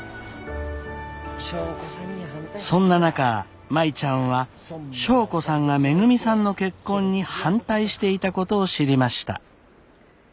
そんな中舞ちゃんは祥子さんがめぐみさんの結婚に反対していたことを知りました。